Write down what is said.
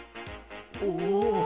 おお！